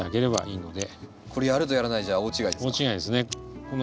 これやるとやらないじゃ大違いですか？